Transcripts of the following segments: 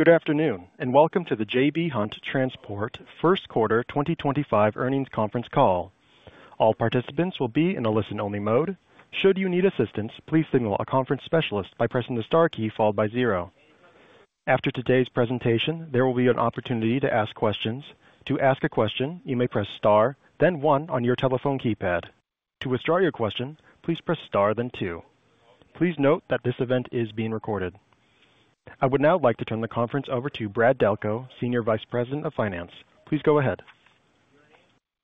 Good afternoon, and welcome to the J.B. Hunt Transport First Quarter 2025 earnings conference call. All participants will be in a listen-only mode. Should you need assistance, please signal a conference specialist by pressing the star key followed by zero. After today's presentation, there will be an opportunity to ask questions. To ask a question, you may press star, then one on your telephone keypad. To withdraw your question, please press star, then two. Please note that this event is being recorded. I would now like to turn the conference over to Brad Delco, Senior Vice President of Finance. Please go ahead.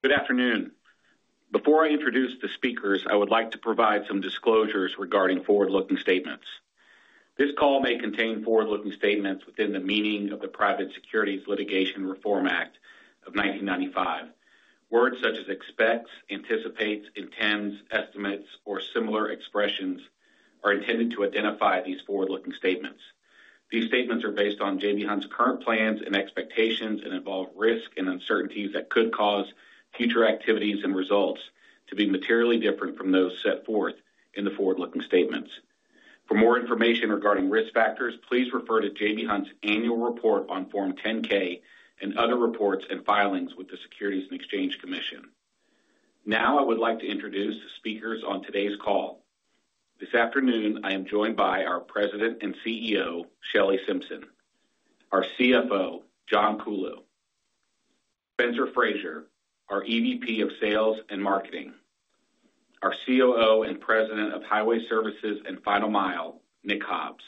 Good afternoon. Before I introduce the speakers, I would like to provide some disclosures regarding forward-looking statements. This call may contain forward-looking statements within the meaning of the Private Securities Litigation Reform Act of 1995. Words such as expects, anticipates, intends, estimates, or similar expressions are intended to identify these forward-looking statements. These statements are based on J.B. Hunt's current plans and expectations and involve risk and uncertainties that could cause future activities and results to be materially different from those set forth in the forward-looking statements. For more information regarding risk factors, please refer to J.B. Hunt's annual report on Form 10-K and other reports and filings with the Securities and Exchange Commission. Now, I would like to introduce the speakers on today's call. This afternoon, I am joined by our President and CEO, Shelley Simpson, our CFO, John Kuhlow, Spencer Frazier, our EVP of Sales and Marketing, our COO and President of Highway Services and Final Mile, Nick Hobbs,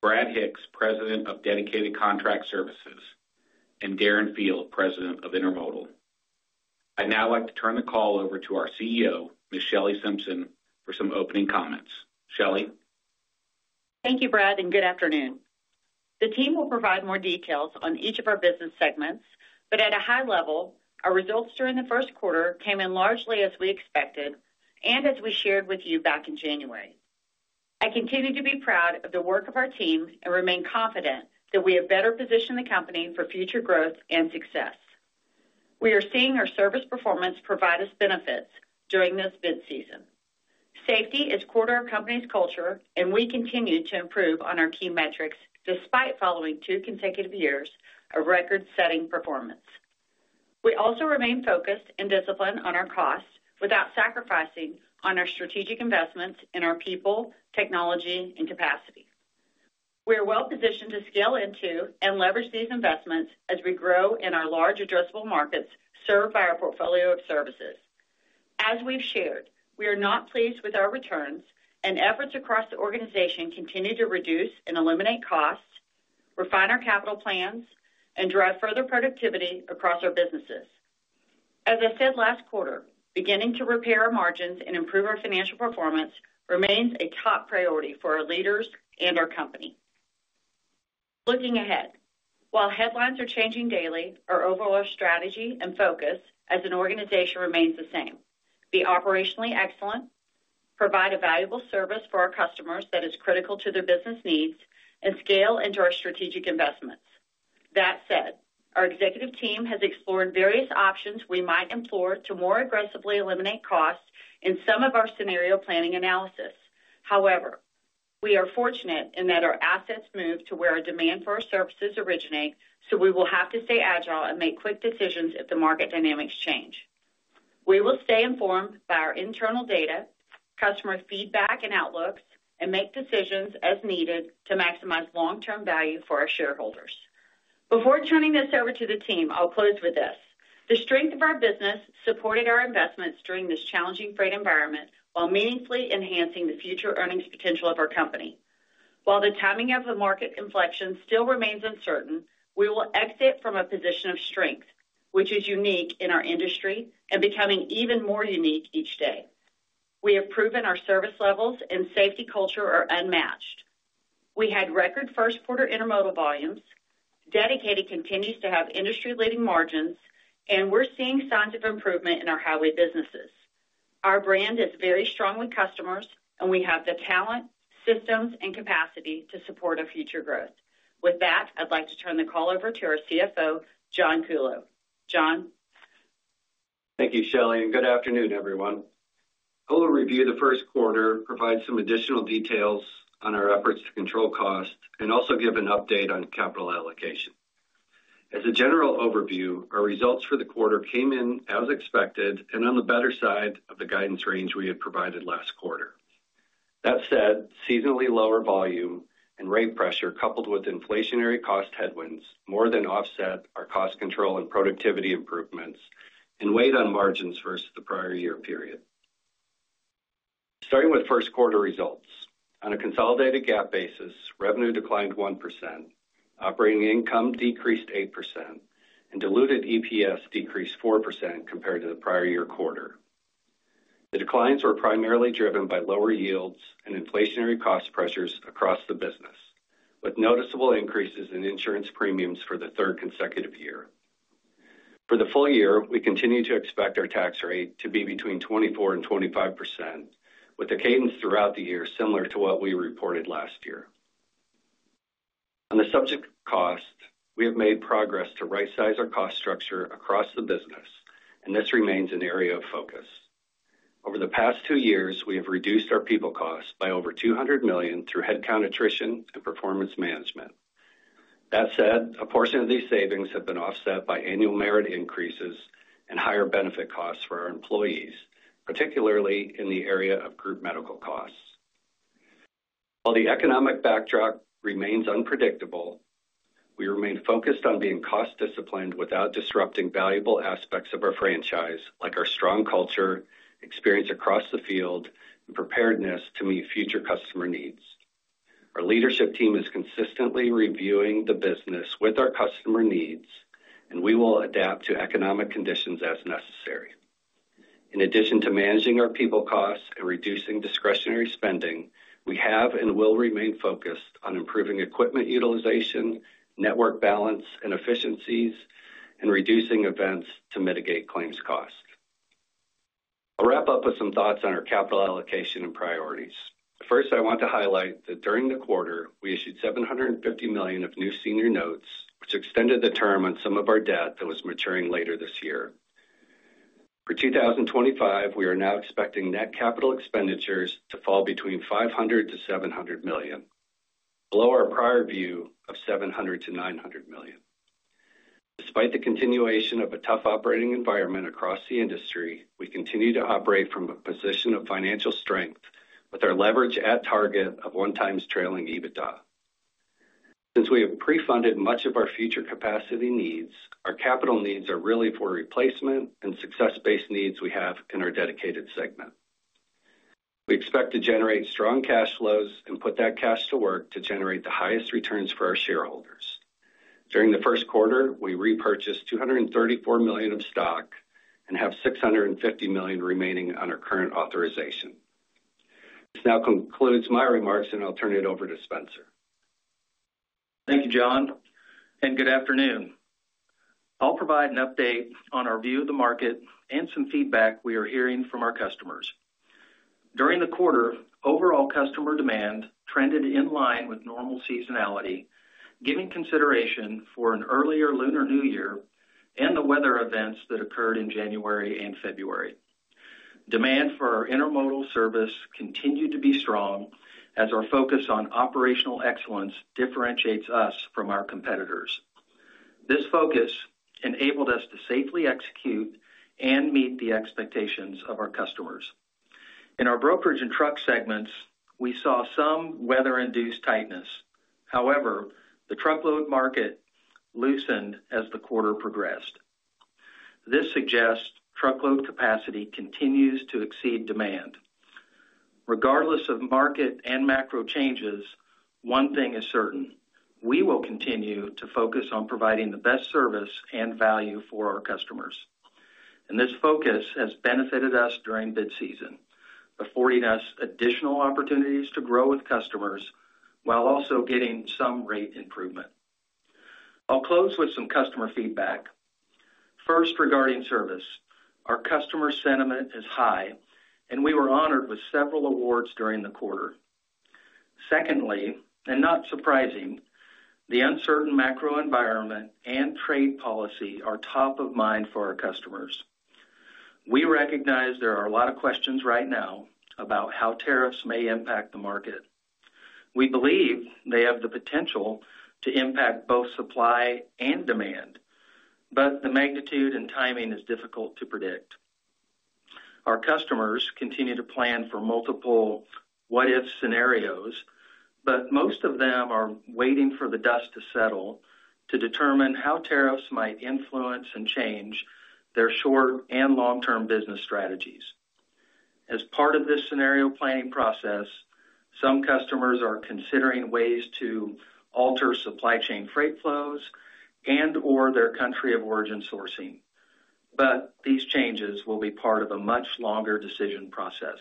Brad Hicks, President of Dedicated Contract Services, and Darren Field, President of Intermodal. I'd now like to turn the call over to our CEO, Ms. Shelley Simpson, for some opening comments. Shelley? Thank you, Brad, and good afternoon. The team will provide more details on each of our business segments, but at a high level, our results during the first quarter came in largely as we expected and as we shared with you back in January. I continue to be proud of the work of our team and remain confident that we have better positioned the company for future growth and success. We are seeing our service performance provide us benefits during this bid season. Safety is core to our company's culture, and we continue to improve on our key metrics despite following two consecutive years of record-setting performance. We also remain focused and disciplined on our costs without sacrificing on our strategic investments in our people, technology, and capacity. We are well positioned to scale into and leverage these investments as we grow in our large addressable markets served by our portfolio of services. As we've shared, we are not pleased with our returns, and efforts across the organization continue to reduce and eliminate costs, refine our capital plans, and drive further productivity across our businesses. As I said last quarter, beginning to repair our margins and improve our financial performance remains a top priority for our leaders and our company. Looking ahead, while headlines are changing daily, our overall strategy and focus as an organization remains the same: be operationally excellent, provide a valuable service for our customers that is critical to their business needs, and scale into our strategic investments. That said, our executive team has explored various options we might employ to more aggressively eliminate costs in some of our scenario planning analysis. However, we are fortunate in that our assets move to where our demand for our services originates, so we will have to stay agile and make quick decisions if the market dynamics change. We will stay informed by our internal data, customer feedback, and outlooks, and make decisions as needed to maximize long-term value for our shareholders. Before turning this over to the team, I'll close with this: the strength of our business supported our investments during this challenging freight environment while meaningfully enhancing the future earnings potential of our company. While the timing of the market inflection still remains uncertain, we will exit from a position of strength, which is unique in our industry and becoming even more unique each day. We have proven our service levels and safety culture are unmatched. We had record first-quarter intermodal volumes, dedicated continues to have industry-leading margins, and we're seeing signs of improvement in our highway businesses. Our brand is very strong with customers, and we have the talent, systems, and capacity to support our future growth. With that, I'd like to turn the call over to our CFO, John Kuhlow. John? Thank you, Shelley, and good afternoon, everyone. I'll review the first quarter, provide some additional details on our efforts to control costs, and also give an update on capital allocation. As a general overview, our results for the quarter came in as expected and on the better side of the guidance range we had provided last quarter. That said, seasonally lower volume and rate pressure, coupled with inflationary cost headwinds, more than offset our cost control and productivity improvements and weighed on margins versus the prior year period. Starting with first-quarter results, on a consolidated GAAP basis, revenue declined 1%, operating income decreased 8%, and diluted EPS decreased 4% compared to the prior year quarter. The declines were primarily driven by lower yields and inflationary cost pressures across the business, with noticeable increases in insurance premiums for the third consecutive year. For the full year, we continue to expect our tax rate to be between 24% and 25%, with a cadence throughout the year similar to what we reported last year. On the subject of cost, we have made progress to right-size our cost structure across the business, and this remains an area of focus. Over the past two years, we have reduced our people costs by over 200 million through headcount attrition and performance management. That said, a portion of these savings have been offset by annual merit increases and higher benefit costs for our employees, particularly in the area of group medical costs. While the economic backdrop remains unpredictable, we remain focused on being cost-disciplined without disrupting valuable aspects of our franchise, like our strong culture, experience across the field, and preparedness to meet future customer needs. Our leadership team is consistently reviewing the business with our customer needs, and we will adapt to economic conditions as necessary. In addition to managing our people costs and reducing discretionary spending, we have and will remain focused on improving equipment utilization, network balance, and efficiencies, and reducing events to mitigate claims cost. I'll wrap up with some thoughts on our capital allocation and priorities. First, I want to highlight that during the quarter, we issued 750 million of new senior notes, which extended the term on some of our debt that was maturing later this year. For 2025, we are now expecting net capital expenditures to fall between 500-700 million, below our prior view of 700-900 million. Despite the continuation of a tough operating environment across the industry, we continue to operate from a position of financial strength with our leverage at target of one-time trailing EBITDA. Since we have pre-funded much of our future capacity needs, our capital needs are really for replacement and success-based needs we have in our dedicated segment. We expect to generate strong cash flows and put that cash to work to generate the highest returns for our shareholders. During the first quarter, we repurchased 234 million of stock and have 650 million remaining on our current authorization. This now concludes my remarks, and I'll turn it over to Spencer. Thank you, John, and good afternoon. I'll provide an update on our view of the market and some feedback we are hearing from our customers. During the quarter, overall customer demand trended in line with normal seasonality, giving consideration for an earlier Lunar New Year and the weather events that occurred in January and February. Demand for our intermodal service continued to be strong as our focus on operational excellence differentiates us from our competitors. This focus enabled us to safely execute and meet the expectations of our customers. In our brokerage and truck segments, we saw some weather-induced tightness. However, the truckload market loosened as the quarter progressed. This suggests truckload capacity continues to exceed demand. Regardless of market and macro changes, one thing is certain: we will continue to focus on providing the best service and value for our customers. This focus has benefited us during bid season, affording us additional opportunities to grow with customers while also getting some rate improvement. I'll close with some customer feedback. First, regarding service, our customer sentiment is high, and we were honored with several awards during the quarter. Secondly, and not surprising, the uncertain macro environment and trade policy are top of mind for our customers. We recognize there are a lot of questions right now about how tariffs may impact the market. We believe they have the potential to impact both supply and demand, but the magnitude and timing is difficult to predict. Our customers continue to plan for multiple what-if scenarios, but most of them are waiting for the dust to settle to determine how tariffs might influence and change their short and long-term business strategies. As part of this scenario planning process, some customers are considering ways to alter supply chain freight flows and/or their country of origin sourcing, but these changes will be part of a much longer decision process.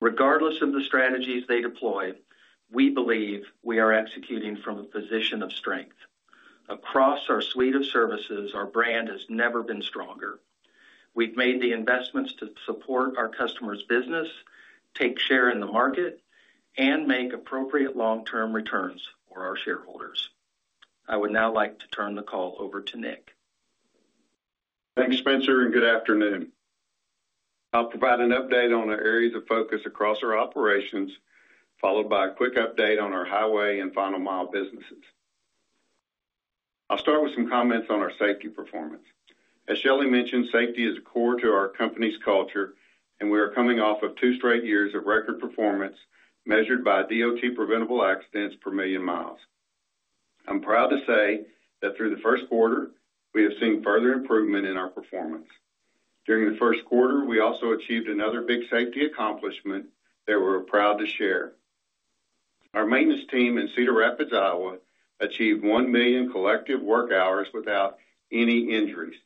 Regardless of the strategies they deploy, we believe we are executing from a position of strength. Across our suite of services, our brand has never been stronger. We've made the investments to support our customers' business, take share in the market, and make appropriate long-term returns for our shareholders. I would now like to turn the call over to Nick. Thank you, Spencer, and good afternoon. I'll provide an update on our areas of focus across our operations, followed by a quick update on our highway and final mile businesses. I'll start with some comments on our safety performance. As Shelley mentioned, safety is core to our company's culture, and we are coming off of two straight years of record performance measured by DOT preventable accidents per million miles. I'm proud to say that through the first quarter, we have seen further improvement in our performance. During the first quarter, we also achieved another big safety accomplishment that we're proud to share. Our maintenance team in Cedar Rapids, Iowa, achieved 1 million collective work hours without any injuries.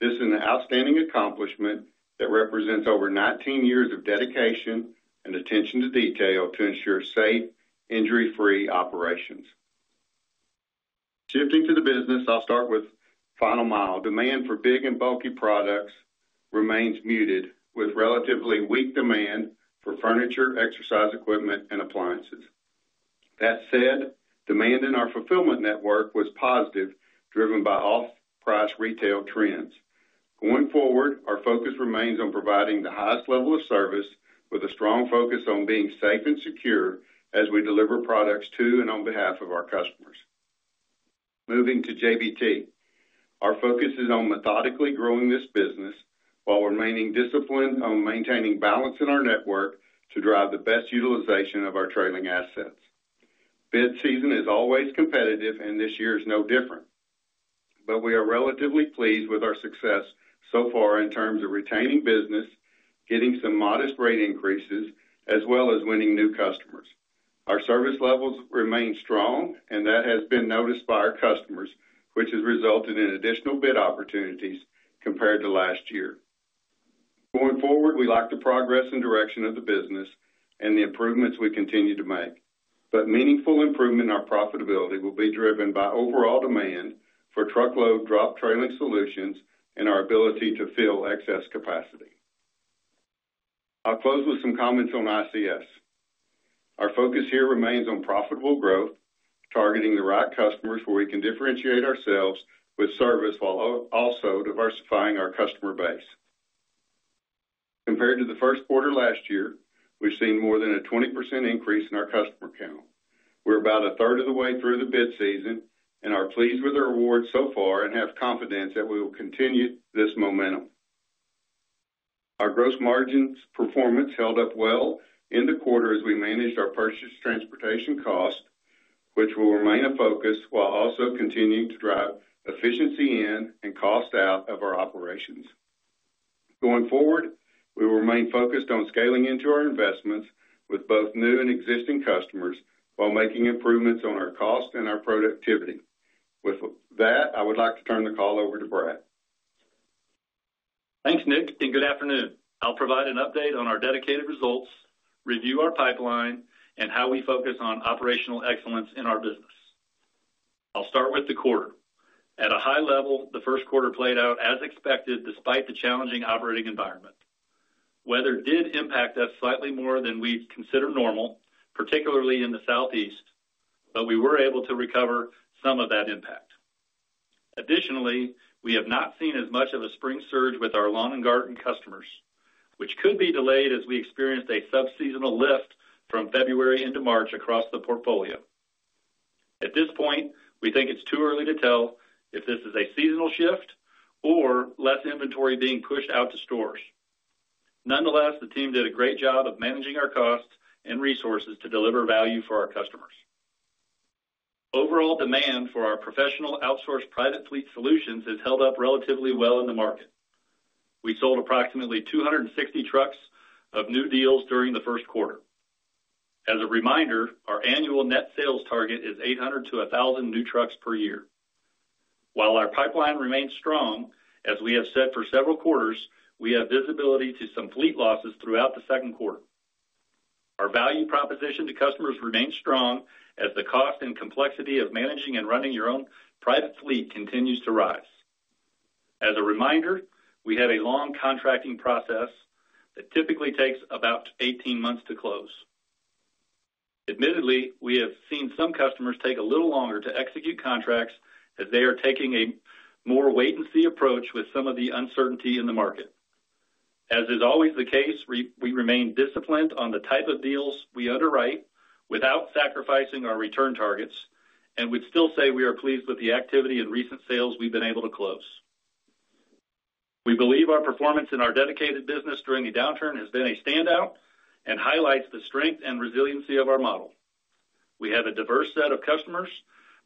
This is an outstanding accomplishment that represents over 19 years of dedication and attention to detail to ensure safe, injury-free operations. Shifting to the business, I'll start with final mile. Demand for big and bulky products remains muted, with relatively weak demand for furniture, exercise equipment, and appliances. That said, demand in our fulfillment network was positive, driven by off-price retail trends. Going forward, our focus remains on providing the highest level of service with a strong focus on being safe and secure as we deliver products to and on behalf of our customers. Moving to JBT, our focus is on methodically growing this business while remaining disciplined on maintaining balance in our network to drive the best utilization of our trailing assets. Bid season is always competitive, and this year is no different, but we are relatively pleased with our success so far in terms of retaining business, getting some modest rate increases, as well as winning new customers. Our service levels remain strong, and that has been noticed by our customers, which has resulted in additional bid opportunities compared to last year. Going forward, we like the progress and direction of the business and the improvements we continue to make, but meaningful improvement in our profitability will be driven by overall demand for truckload drop trailing solutions and our ability to fill excess capacity. I'll close with some comments on ICS. Our focus here remains on profitable growth, targeting the right customers where we can differentiate ourselves with service while also diversifying our customer base. Compared to the first quarter last year, we've seen more than a 20% increase in our customer count. We're about a third of the way through the bid season and are pleased with our award so far and have confidence that we will continue this momentum. Our gross margins performance held up well in the quarter as we managed our purchased transportation cost, which will remain a focus while also continuing to drive efficiency in and cost out of our operations. Going forward, we will remain focused on scaling into our investments with both new and existing customers while making improvements on our cost and our productivity. With that, I would like to turn the call over to Brad. Thanks, Nick, and good afternoon. I'll provide an update on our dedicated results, review our pipeline, and how we focus on operational excellence in our business. I'll start with the quarter. At a high level, the first quarter played out as expected despite the challenging operating environment. Weather did impact us slightly more than we'd consider normal, particularly in the SouthEast, but we were able to recover some of that impact. Additionally, we have not seen as much of a spring surge with our lawn and garden customers, which could be delayed as we experienced a subseasonal lift from February into March across the portfolio. At this point, we think it's too early to tell if this is a seasonal shift or less inventory being pushed out to stores. Nonetheless, the team did a great job of managing our costs and resources to deliver value for our customers. Overall demand for our professional outsourced private fleet solutions has held up relatively well in the market. We sold approximately 260 trucks of new deals during the first quarter. As a reminder, our annual net sales target is 800-1,000 new trucks per year. While our pipeline remains strong, as we have said for several quarters, we have visibility to some fleet losses throughout the second quarter. Our value proposition to customers remains strong as the cost and complexity of managing and running your own private fleet continues to rise. As a reminder, we have a long contracting process that typically takes about 18 months to close. Admittedly, we have seen some customers take a little longer to execute contracts as they are taking a more wait-and-see approach with some of the uncertainty in the market. As is always the case, we remain disciplined on the type of deals we underwrite without sacrificing our return targets, and we'd still say we are pleased with the activity and recent sales we've been able to close. We believe our performance in our dedicated business during the downturn has been a standout and highlights the strength and resiliency of our model. We have a diverse set of customers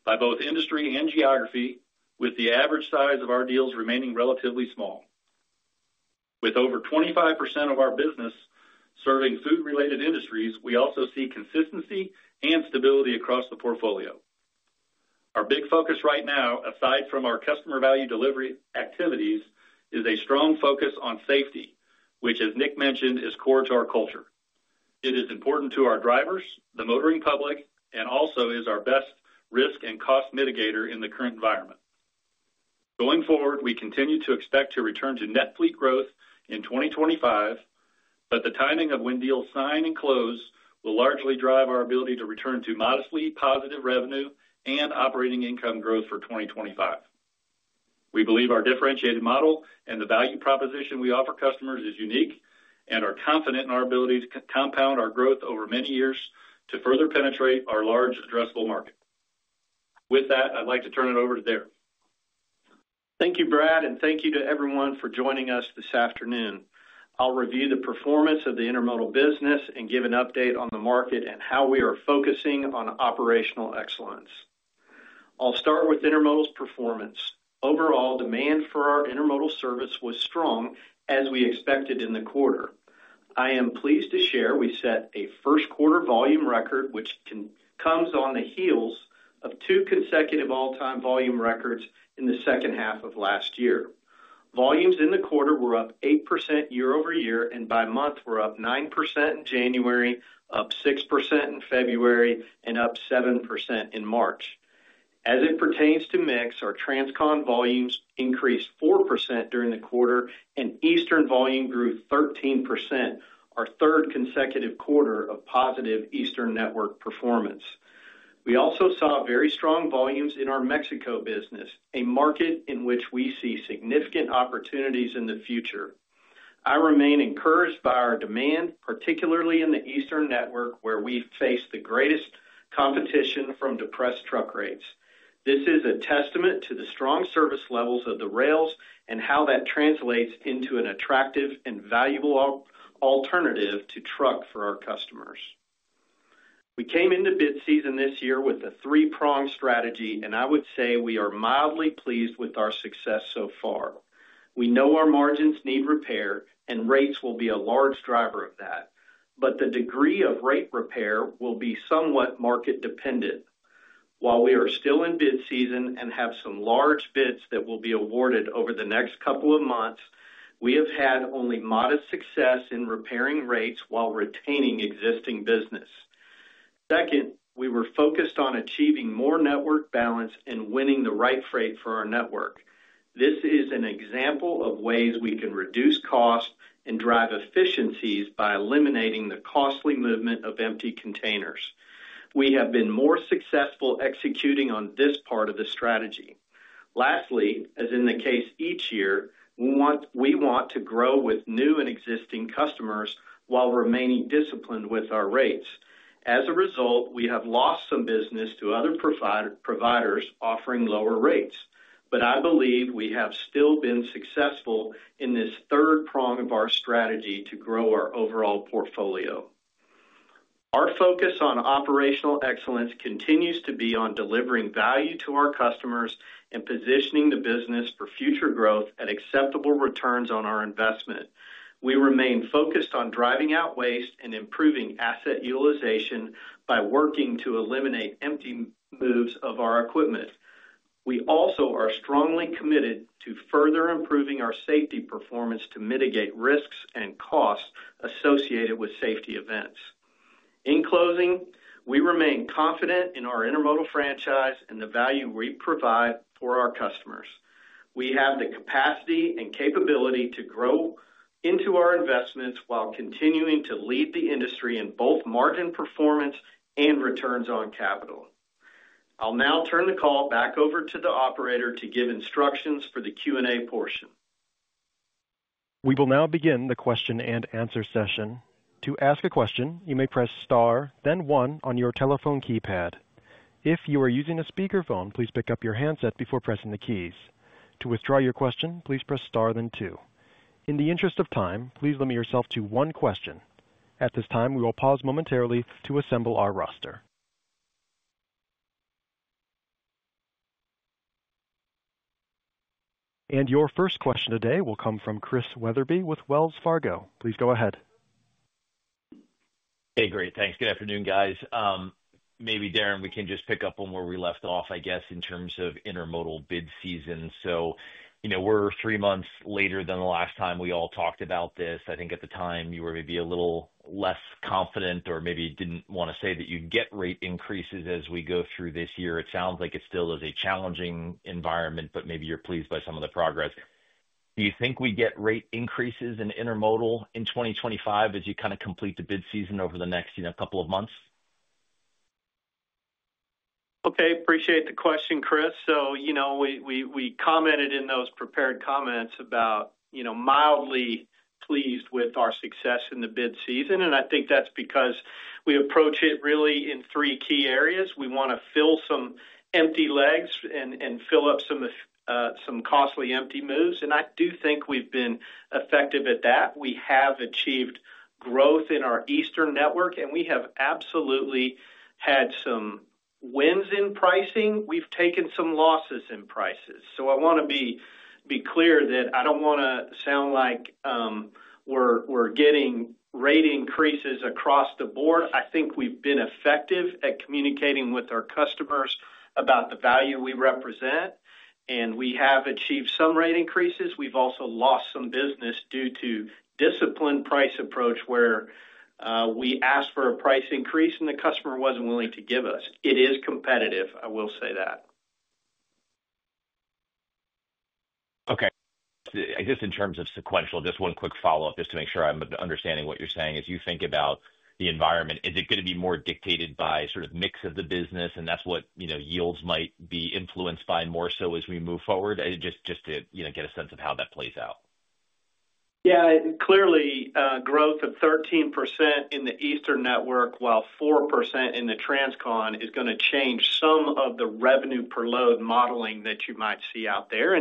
by both industry and geography, with the average size of our deals remaining relatively small. With over 25% of our business serving food-related industries, we also see consistency and stability across the portfolio. Our big focus right now, aside from our customer value delivery activities, is a strong focus on safety, which, as Nick mentioned, is core to our culture. It is important to our drivers, the motoring public, and also is our best risk and cost mitigator in the current environment. Going forward, we continue to expect to return to net fleet growth in 2025, but the timing of when deals sign and close will largely drive our ability to return to modestly positive revenue and operating income growth for 2025. We believe our differentiated model and the value proposition we offer customers is unique and are confident in our ability to compound our growth over many years to further penetrate our large addressable market. With that, I'd like to turn it over to Darren. Thank you, Brad, and thank you to everyone for joining us this afternoon. I'll review the performance of the intermodal business and give an update on the market and how we are focusing on operational excellence. I'll start with intermodal's performance. Overall demand for our intermodal service was strong, as we expected in the quarter. I am pleased to share we set a first-quarter volume record, which comes on the heels of two consecutive all-time volume records in the second half of last year. Volumes in the quarter were up 8% year-over-year, and by month, we're up 9% in January, up 6% in February, and up 7% in March. As it pertains to mix, our Transcon volumes increased 4% during the quarter, and Eastern volume grew 13%, our third consecutive quarter of positive Eastern network performance. We also saw very strong volumes in our Mexico business, a market in which we see significant opportunities in the future. I remain encouraged by our demand, particularly in the Eastern network, where we face the greatest competition from depressed truck rates. This is a testament to the strong service levels of the rails and how that translates into an attractive and valuable alternative to truck for our customers. We came into bid season this year with a three-prong strategy, and I would say we are mildly pleased with our success so far. We know our margins need repair, and rates will be a large driver of that, but the degree of rate repair will be somewhat market-dependent. While we are still in bid season and have some large bids that will be awarded over the next couple of months, we have had only modest success in repairing rates while retaining existing business. Second, we were focused on achieving more network balance and winning the right freight for our network. This is an example of ways we can reduce costs and drive efficiencies by eliminating the costly movement of empty containers. We have been more successful executing on this part of the strategy. Lastly, as in the case each year, we want to grow with new and existing customers while remaining disciplined with our rates. As a result, we have lost some business to other providers offering lower rates, but I believe we have still been successful in this third prong of our strategy to grow our overall portfolio. Our focus on operational excellence continues to be on delivering value to our customers and positioning the business for future growth at acceptable returns on our investment. We remain focused on driving out waste and improving asset utilization by working to eliminate empty moves of our equipment. We also are strongly committed to further improving our safety performance to mitigate risks and costs associated with safety events. In closing, we remain confident in our intermodal franchise and the value we provide for our customers. We have the capacity and capability to grow into our investments while continuing to lead the industry in both margin performance and returns on capital. I'll now turn the call back over to the operator to give instructions for the Q&A portion. We will now begin the question and answer session. To ask a question, you may press star, then one on your telephone keypad. If you are using a speakerphone, please pick up your handset before pressing the keys. To withdraw your question, please press star, then two. In the interest of time, please limit yourself to one question. At this time, we will pause momentarily to assemble our roster. Your first question today will come from Chris Wetherbee with Wells Fargo. Please go ahead. Hey, great. Thanks. Good afternoon, guys. Maybe, Darren, we can just pick up on where we left off, I guess, in terms of intermodal bid season. We are three months later than the last time we all talked about this. I think at the time, you were maybe a little less confident or maybe did not want to say that you would get rate increases as we go through this year. It sounds like it still is a challenging environment, but maybe you are pleased by some of the progress. Do you think we get rate increases in intermodal in 2025 as you kind of complete the bid season over the next couple of months? Okay. Appreciate the question, Chris. We commented in those prepared comments about mildly pleased with our success in the bid season, and I think that's because we approach it really in three key areas. We want to fill some empty legs and fill up some costly empty moves. I do think we've been effective at that. We have achieved growth in our Eastern network, and we have absolutely had some wins in pricing. We've taken some losses in prices. I want to be clear that I don't want to sound like we're getting rate increases across the board. I think we've been effective at communicating with our customers about the value we represent, and we have achieved some rate increases. We've also lost some business due to disciplined price approach where we asked for a price increase, and the customer wasn't willing to give us. It is competitive. I will say that. Okay. Just in terms of sequential, just one quick follow-up just to make sure I'm understanding what you're saying. As you think about the environment, is it going to be more dictated by sort of mix of the business, and that's what yields might be influenced by more so as we move forward? Just to get a sense of how that plays out. Yeah. Clearly, growth of 13% in the Eastern network while 4% in the Transcon is going to change some of the revenue per load modeling that you might see out there.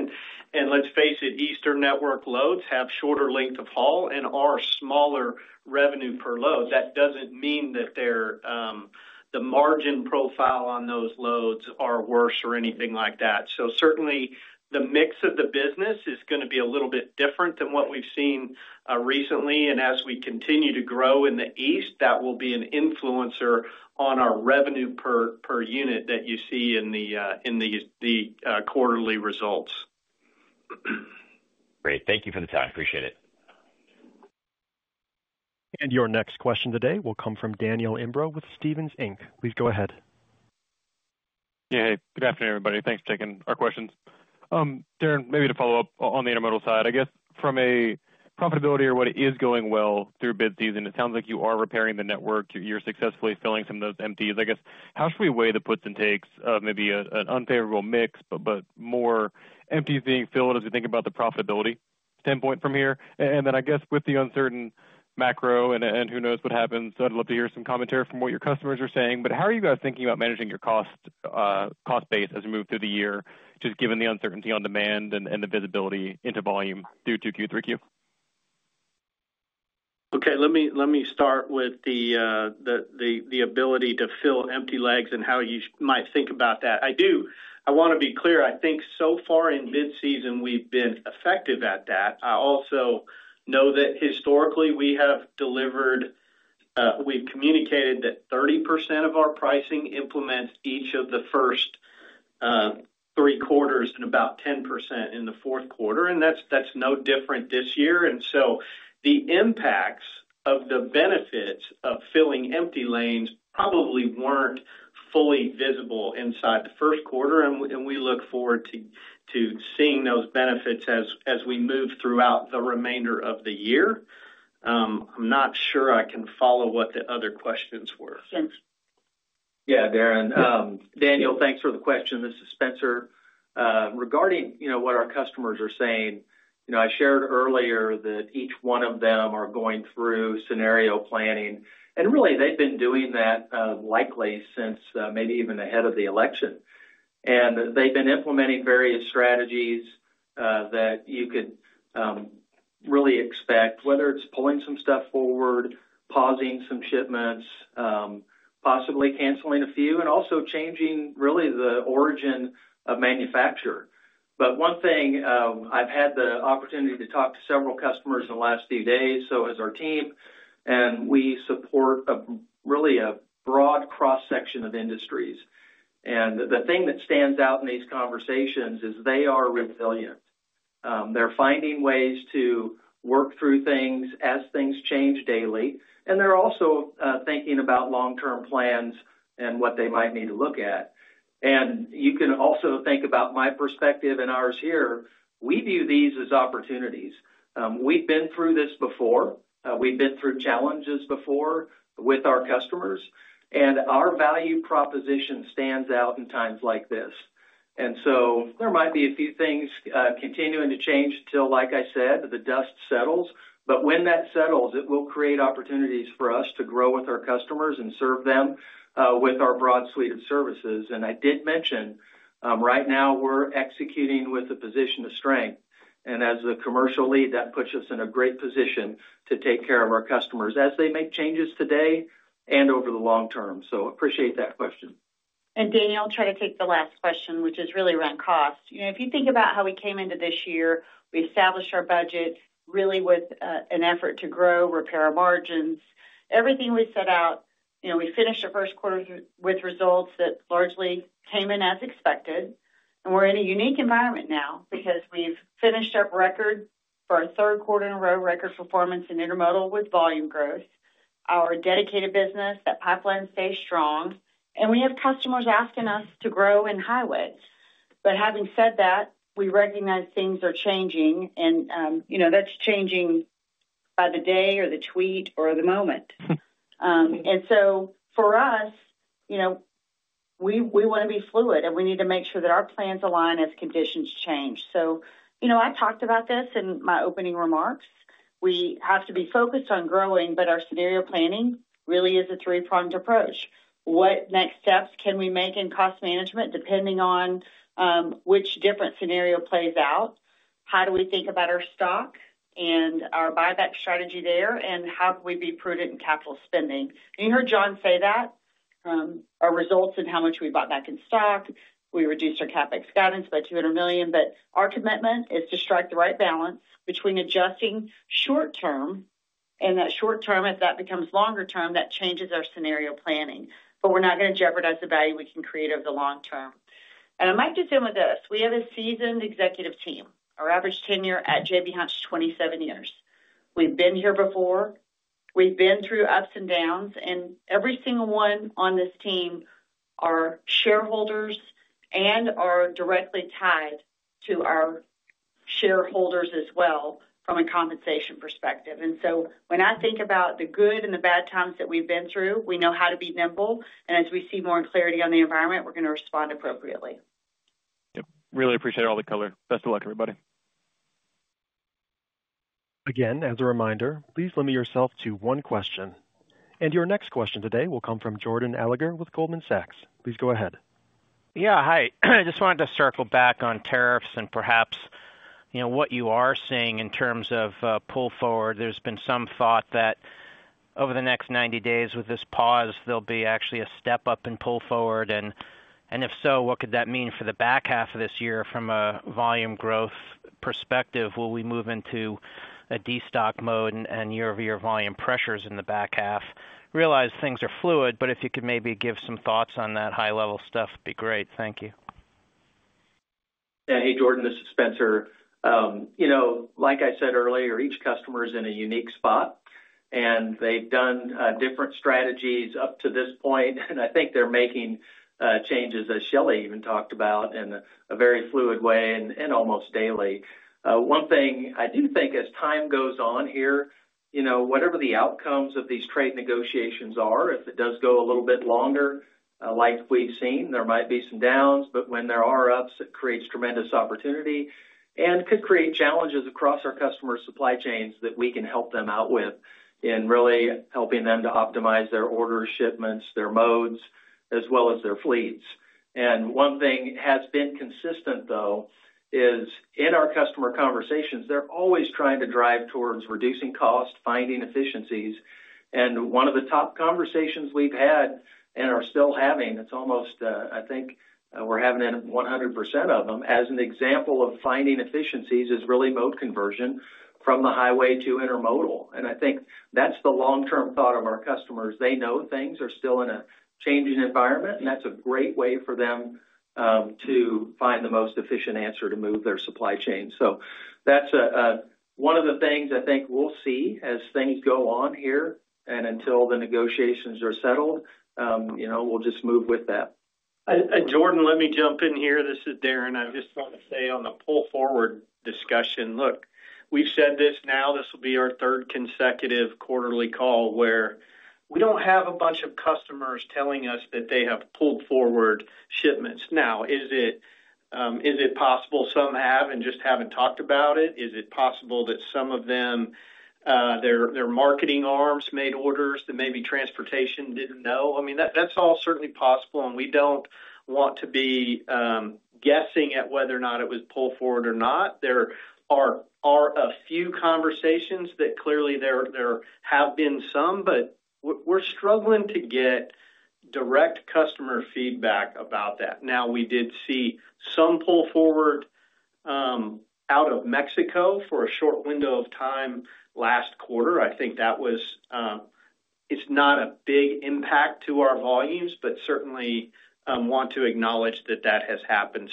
Let's face it, Eastern network loads have shorter length of haul and are smaller revenue per load. That doesn't mean that the margin profile on those loads is worse or anything like that. Certainly, the mix of the business is going to be a little bit different than what we've seen recently. As we continue to grow in the East, that will be an influencer on our revenue per unit that you see in the quarterly results. Great. Thank you for the time. Appreciate it. Your next question today will come from Daniel Imbro with Stephens. Please go ahead. Yeah. Hey. Good afternoon, everybody. Thanks for taking our questions. Darren, maybe to follow up on the intermodal side, I guess, from a profitability or what is going well through bid season, it sounds like you are repairing the network. You're successfully filling some of those empties. I guess, how should we weigh the puts and takes of maybe an unfavorable mix but more empty being filled as we think about the profitability standpoint from here? I guess with the uncertain macro and who knows what happens, I'd love to hear some commentary from what your customers are saying. How are you guys thinking about managing your cost base as we move through the year, just given the uncertainty on demand and the visibility into volume through 2Q, 3Q? Okay. Let me start with the ability to fill empty legs and how you might think about that. I do. I want to be clear. I think so far in bid season, we've been effective at that. I also know that historically, we have delivered. We've communicated that 30% of our pricing implements each of the first three quarters and about 10% in the fourth quarter. That is no different this year. The impacts of the benefits of filling empty lanes probably were not fully visible inside the first quarter, and we look forward to seeing those benefits as we move throughout the remainder of the year. I'm not sure I can follow what the other questions were. Yeah. Darren. Daniel, thanks for the question. This is Spencer. Regarding what our customers are saying, I shared earlier that each one of them are going through scenario planning. Really, they've been doing that likely since maybe even ahead of the election. They've been implementing various strategies that you could really expect, whether it's pulling some stuff forward, pausing some shipments, possibly canceling a few, and also changing really the origin of manufacture. One thing, I've had the opportunity to talk to several customers in the last few days. As our team, we support really a broad cross-section of industries. The thing that stands out in these conversations is they are resilient. They're finding ways to work through things as things change daily, and they're also thinking about long-term plans and what they might need to look at. You can also think about my perspective and ours here. We view these as opportunities. We have been through this before. We have been through challenges before with our customers, and our value proposition stands out in times like this. There might be a few things continuing to change until, like I said, the dust settles. When that settles, it will create opportunities for us to grow with our customers and serve them with our broad suite of services. I did mention, right now, we are executing with a position of strength. As a commercial lead, that puts us in a great position to take care of our customers as they make changes today and over the long term. I appreciate that question. Daniel, I'll try to take the last question, which is really around cost. If you think about how we came into this year, we established our budget really with an effort to grow, repair our margins. Everything we set out, we finished the first quarter with results that largely came in as expected. We are in a unique environment now because we have finished up record for our third quarter in a row, record performance in intermodal with volume growth. Our dedicated business, that pipeline stays strong, and we have customers asking us to grow in high ways. Having said that, we recognize things are changing, and that's changing by the day or the tweet or the moment. For us, we want to be fluid, and we need to make sure that our plans align as conditions change. I talked about this in my opening remarks. We have to be focused on growing, but our scenario planning really is a three-pronged approach. What next steps can we make in cost management depending on which different scenario plays out? How do we think about our stock and our buyback strategy there, and how can we be prudent in capital spending? You heard John say that. Our results in how much we bought back in stock. We reduced our CapEx guidance by 200 million. Our commitment is to strike the right balance between adjusting short-term, and that short-term, if that becomes longer-term, that changes our scenario planning. We are not going to jeopardize the value we can create over the long term. I might just end with this. We have a seasoned executive team. Our average tenure at J.B. Hunt is 27 years. We've been here before. We've been through ups and downs, and every single one on this team are shareholders and are directly tied to our shareholders as well from a compensation perspective. When I think about the good and the bad times that we've been through, we know how to be nimble. As we see more clarity on the environment, we're going to respond appropriately. Yep. Really appreciate all the color. Best of luck, everybody. Again, as a reminder, please limit yourself to one question. Your next question today will come from Jordan Alliger with Goldman Sachs. Please go ahead. Yeah. Hi. I just wanted to circle back on tariffs and perhaps what you are seeing in terms of pull forward. There's been some thought that over the next 90 days with this pause, there'll be actually a step up in pull forward. If so, what could that mean for the back half of this year from a volume growth perspective? Will we move into a destock mode and year-over-year volume pressures in the back half? Realize things are fluid, but if you could maybe give some thoughts on that high-level stuff, it'd be great. Thank you. Yeah. Hey, Jordan. This is Spencer. Like I said earlier, each customer is in a unique spot, and they've done different strategies up to this point. I think they're making changes, as Shelley even talked about, in a very fluid way and almost daily. One thing I do think as time goes on here, whatever the outcomes of these trade negotiations are, if it does go a little bit longer, like we've seen, there might be some downs, but when there are ups, it creates tremendous opportunity and could create challenges across our customer supply chains that we can help them out with in really helping them to optimize their orders, shipments, their modes, as well as their fleets. One thing has been consistent, though, is in our customer conversations, they're always trying to drive towards reducing cost, finding efficiencies. One of the top conversations we've had and are still having, it's almost, I think we're having 100% of them, as an example of finding efficiencies, is really mode conversion from the highway to intermodal. I think that's the long-term thought of our customers. They know things are still in a changing environment, and that's a great way for them to find the most efficient answer to move their supply chain. That's one of the things I think we'll see as things go on here, and until the negotiations are settled, we'll just move with that. Jordan, let me jump in here. This is Darren. I just want to say on the pull forward discussion, look, we've said this now. This will be our third consecutive quarterly call where we don't have a bunch of customers telling us that they have pulled forward shipments. Now, is it possible some have and just haven't talked about it? Is it possible that some of them, their marketing arms made orders that maybe transportation didn't know? I mean, that's all certainly possible, and we don't want to be guessing at whether or not it was pulled forward or not. There are a few conversations that clearly there have been some, but we're struggling to get direct customer feedback about that. Now, we did see some pull forward out of Mexico for a short window of time last quarter. I think that was, it's not a big impact to our volumes, but certainly want to acknowledge that that has happened.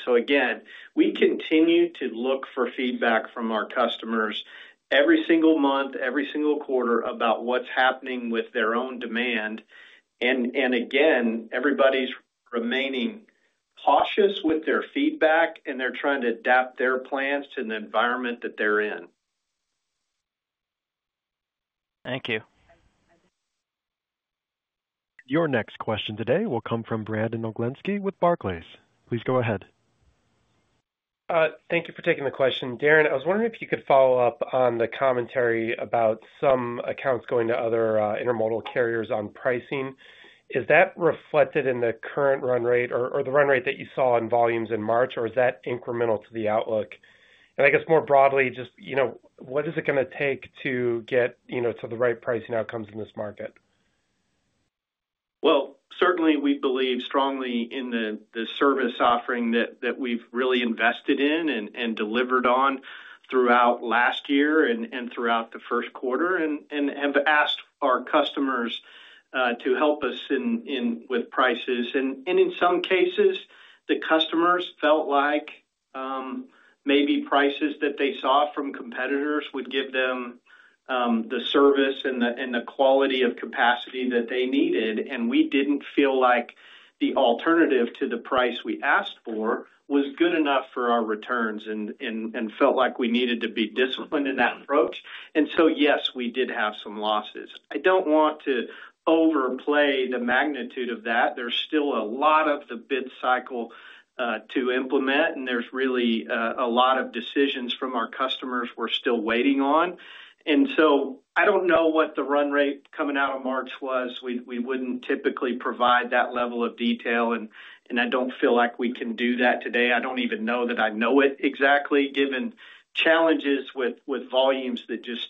We continue to look for feedback from our customers every single month, every single quarter about what's happening with their own demand. And again everybody's remaining cautious with their feedback, and they're trying to adapt their plans to the environment that they're in. Thank you. Your next question today will come from Brandon Oglenski with Barclays. Please go ahead. Thank you for taking the question. Darren, I was wondering if you could follow up on the commentary about some accounts going to other intermodal carriers on pricing. Is that reflected in the current run rate or the run rate that you saw in volumes in March, or is that incremental to the outlook? I guess more broadly, just what is it going to take to get to the right pricing outcomes in this market? Certainly, we believe strongly in the service offering that we've really invested in and delivered on throughout last year and throughout the first quarter and have asked our customers to help us with prices. In some cases, the customers felt like maybe prices that they saw from competitors would give them the service and the quality of capacity that they needed. We didn't feel like the alternative to the price we asked for was good enough for our returns and felt like we needed to be disciplined in that approach. Yes, we did have some losses. I don't want to overplay the magnitude of that. There's still a lot of the bid cycle to implement, and there's really a lot of decisions from our customers we're still waiting on. I don't know what the run rate coming out of March was. We would not typically provide that level of detail, and I do not feel like we can do that today. I do not even know that I know it exactly given challenges with volumes that just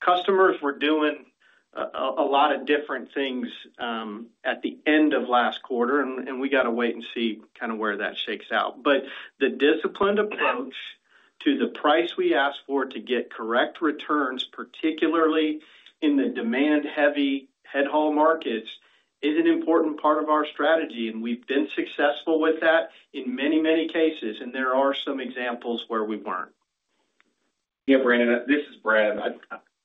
customers were doing a lot of different things at the end of last quarter, and we have to wait and see kind of where that shakes out. The disciplined approach to the price we ask for to get correct returns, particularly in the demand-heavy headhaul markets, is an important part of our strategy, and we have been successful with that in many, many cases, and there are some examples where we were not. Yeah, Brandon, this is Brad.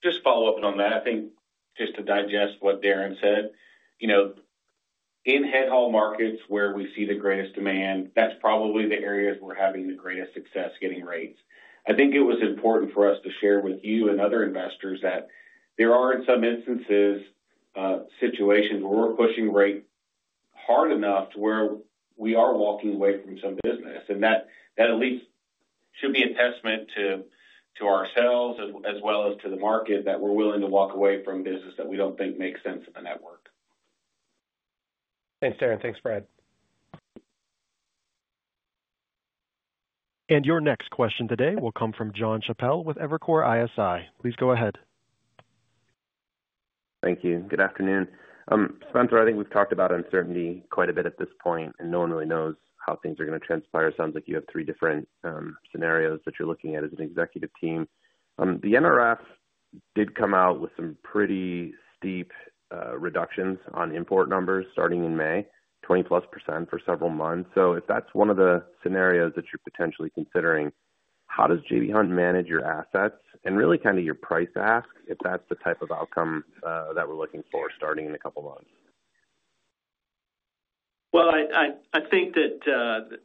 Just following up on that, I think just to digest what Darren said, in headhaul markets where we see the greatest demand, that is probably the areas we are having the greatest success getting rates. I think it was important for us to share with you and other investors that there are in some instances situations where we're pushing rate hard enough to where we are walking away from some business. That at lEast should be a testament to ourselves as well as to the market that we're willing to walk away from business that we don't think makes sense in the network. Thanks, Darren. Thanks, Brad. Your next question today will come from John Chappell with Evercore ISI. Please go ahead. Thank you. Good afternoon. Spencer, I think we've talked about uncertainty quite a bit at this point, and no one really knows how things are going to transpire. It sounds like you have three different scenarios that you're looking at as an executive team. The NRF did come out with some pretty steep reductions on import numbers starting in May, 20+% for several months. If that's one of the scenarios that you're potentially considering, how does J.B. Hunt manage your assets and really kind of your price ask if that's the type of outcome that we're looking for starting in a couple of months? I think that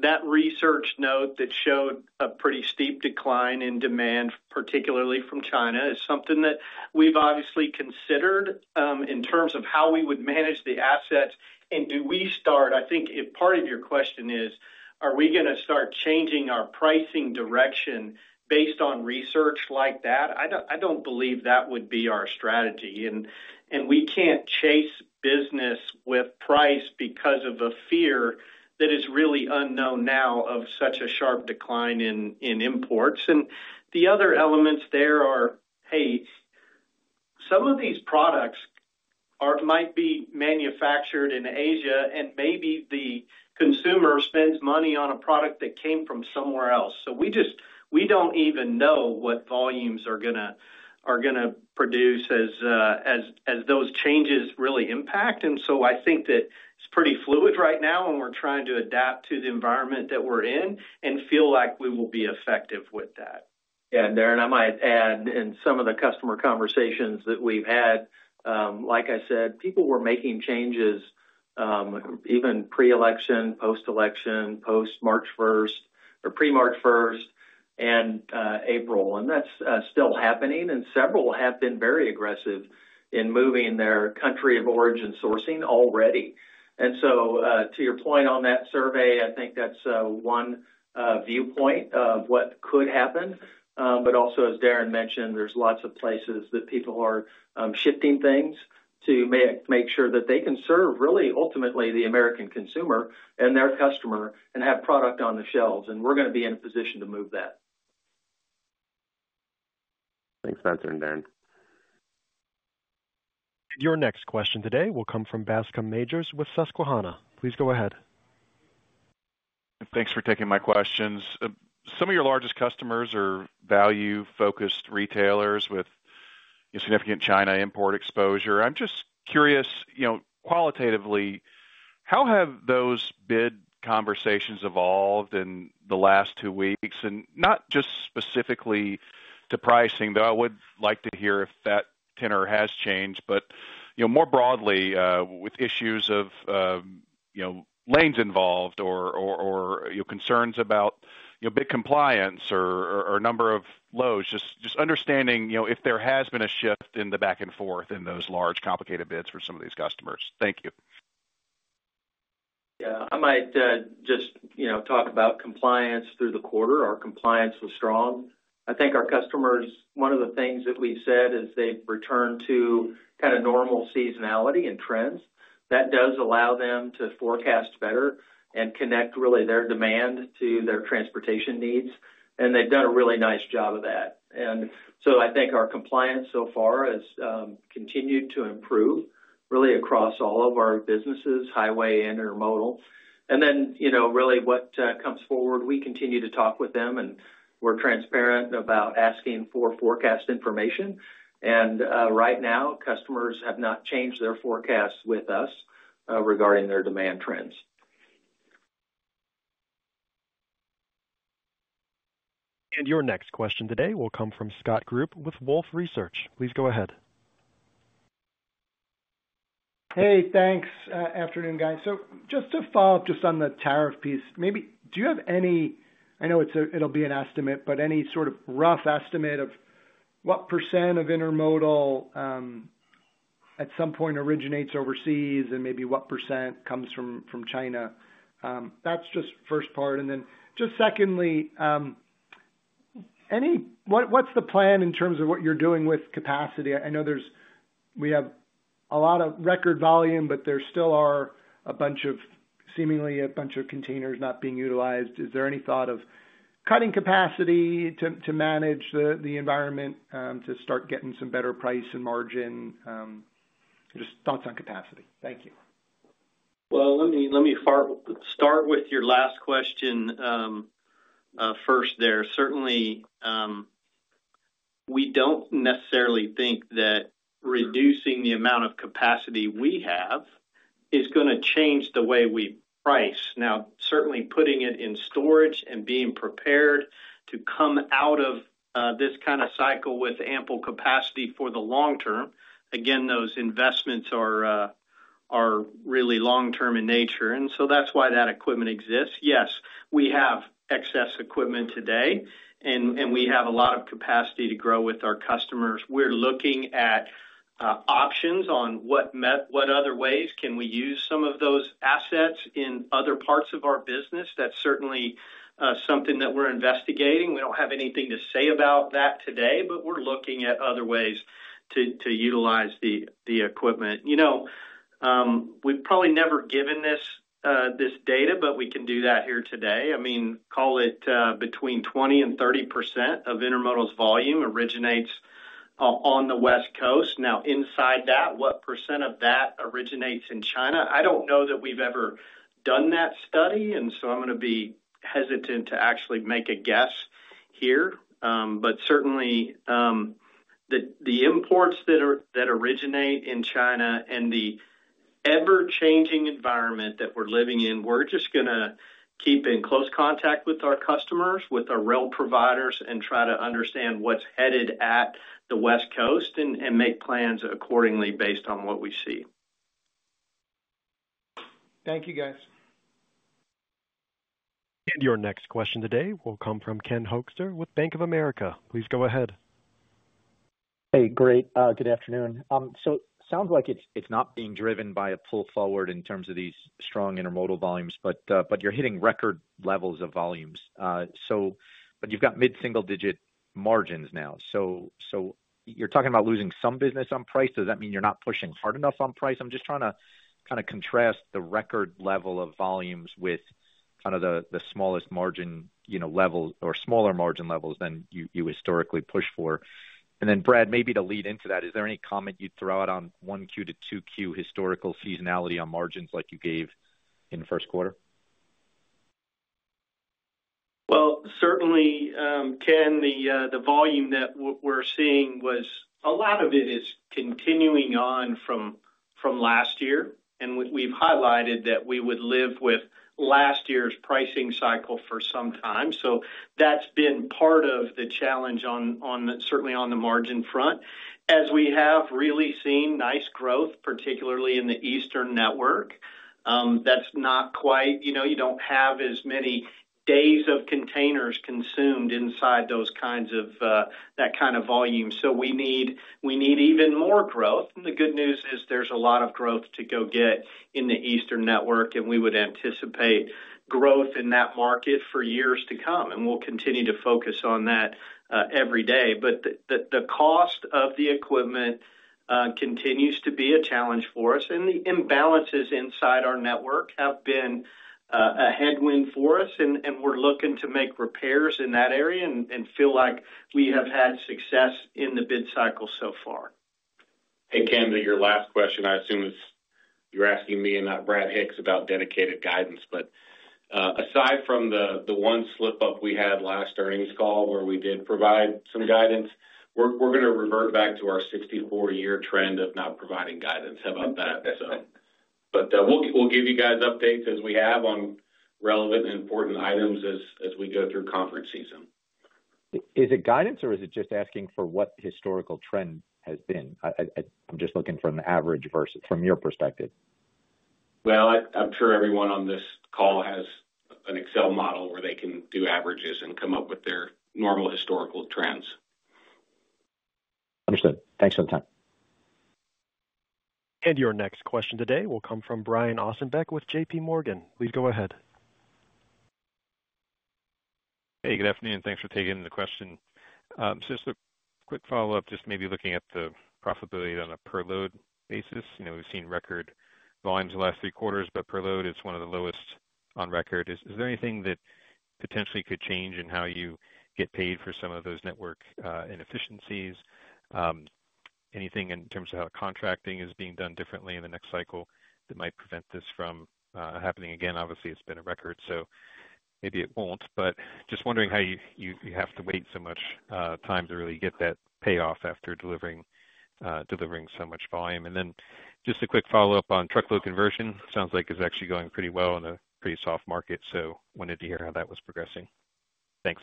that research note that showed a pretty steep decline in demand, particularly from China, is something that we've obviously considered in terms of how we would manage the assets. Do we start? I think if part of your question is, are we going to start changing our pricing direction based on research like that? I don't believe that would be our strategy. We can't chase business with price because of a fear that is really unknown now of such a sharp decline in imports. The other elements there are, hey, some of these products might be manufactured in Asia, and maybe the consumer spends money on a product that came from somewhere else. We don't even know what volumes are going to produce as those changes really impact. I think that it's pretty fluid right now, and we're trying to adapt to the environment that we're in and feel like we will be effective with that. Yeah. Darren, I might add, in some of the customer conversations that we've had, like I said, people were making changes even pre-election, post-election, post-March 1 or pre-March 1 and April. That's still happening, and several have been very aggressive in moving their country of origin sourcing already. To your point on that survey, I think that's one viewpoint of what could happen. Also, as Darren mentioned, there are lots of places that people are shifting things to make sure that they can serve really ultimately the American consumer and their customer and have product on the shelves. We're going to be in a position to move that. Thanks, Spencer and Darren. Your next question today will come from Bascom Majors with Susquehanna. Please go ahead. Thanks for taking my questions. Some of your largest customers are value-focused retailers with significant China import exposure. I'm just curious, qualitatively, how have those bid conversations evolved in the last two weeks? Not just specifically to pricing, though I would like to hear if that tenor has changed, but more broadly with issues of lanes involved or concerns about bid compliance or number of loads, just understanding if there has been a shift in the back and forth in those large complicated bids for some of these customers. Thank you. Yeah. I might just talk about compliance through the quarter. Our compliance was strong. I think our customers, one of the things that we've said is they've returned to kind of normal seasonality and trends. That does allow them to forecast better and connect really their demand to their transportation needs. They've done a really nice job of that. I think our compliance so far has continued to improve really across all of our businesses, highway and intermodal. Really what comes forward, we continue to talk with them, and we're transparent about asking for forecast information. Right now, customers have not changed their forecasts with us regarding their demand trends. Your next question today will come from Scott Group with Wolfe Research. Please go ahead. Hey, thanks. Afternoon, guys. Just to follow up just on the tariff piece, maybe do you have any I know it'll be an estimate, but any sort of rough estimate of what percent of intermodal at some point originates overseas and maybe what percent comes from China? That's just first part. Then just secondly, what's the plan in terms of what you're doing with capacity? I know we have a lot of record volume, but there still are a bunch of seemingly a bunch of containers not being utilized. Is there any thought of cutting capacity to manage the environment to start getting some better price and margin? Just thoughts on capacity. Thank you. Let me start with your last question first there. Certainly, we do not necessarily think that reducing the amount of capacity we have is going to change the way we price. Certainly, putting it in storage and being prepared to come out of this kind of cycle with ample capacity for the long term, again, those investments are really long-term in nature. That is why that equipment exists. Yes, we have excess equipment today, and we have a lot of capacity to grow with our customers. We are looking at options on what other ways can we use some of those assets in other parts of our business. That is certainly something that we are investigating. We do not have anything to say about that today, but we are looking at other ways to utilize the equipment. We have probably never given this data, but we can do that here today. I mean, call it between 20% and 30% of intermodal's volume originates on the West Coast. Now, inside that, what percent of that originates in China? I don't know that we've ever done that study, and so I'm going to be hesitant to actually make a guess here. Certainly, the imports that originate in China and the ever-changing environment that we're living in, we're just going to keep in close contact with our customers, with our rail providers, and try to understand what's headed at the West Coast and make plans accordingly based on what we see. Thank you, guys. Your next question today will come from Ken Hoexter with Bank of America. Please go ahead. Hey, great. Good afternoon. It sounds like it is not being driven by a pull forward in terms of these strong intermodal volumes, but you are hitting record levels of volumes. You have got mid-single-digit margins now. You are talking about losing some business on price. Does that mean you are not pushing hard enough on price? I am just trying to kind of contrast the record level of volumes with kind of the smallest margin level or smaller margin levels than you historically pushed for. Brad, maybe to lead into that, is there any comment you would throw out on 1Q to 2Q historical seasonality on margins like you gave in first quarter? Certainly, Ken, the volume that we're seeing was a lot of it is continuing on from last year. We have highlighted that we would live with last year's pricing cycle for some time. That has been part of the challenge, certainly on the margin front, as we have really seen nice growth, particularly in the Eastern network. That is not quite you do not have as many days of containers consumed inside those kinds of that kind of volume. We need even more growth. The good news is there is a lot of growth to go get in the Eastern network, and we would anticipate growth in that market for years to come. We will continue to focus on that every day. The cost of the equipment continues to be a challenge for us. The imbalances inside our network have been a headwind for us, and we're looking to make repairs in that area and feel like we have had success in the bid cycle so far. Hey, Ken, to your last question, I assume you're asking me and not Brad Hicks about dedicated guidance. Aside from the one slip-up we had last earnings call where we did provide some guidance, we're going to revert back to our 64-year trend of not providing guidance. How about that? We'll give you guys updates as we have on relevant and important items as we go through conference season. Is it guidance, or is it just asking for what historical trend has been? I'm just looking from the average versus from your perspective. I'm sure everyone on this call has an Excel model where they can do averages and come up with their normal historical trends. Understood. Thanks for the time. Your next question today will come from Brian Ossenbeck with J.P. Morgan. Please go ahead. Hey, good afternoon. Thanks for taking the question. Just a quick follow-up, just maybe looking at the profitability on a per-load basis. We've seen record volumes the last three quarters, but per-load is one of the lowest on record. Is there anything that potentially could change in how you get paid for some of those network inefficiencies? Anything in terms of how contracting is being done differently in the next cycle that might prevent this from happening again? Obviously, it's been a record, so maybe it won't. Just wondering how you have to wait so much time to really get that payoff after delivering so much volume. Just a quick follow-up on truckload conversion. Sounds like it's actually going pretty well in a pretty soft market, so wanted to hear how that was progressing. Thanks.